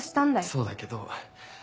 そうだけど。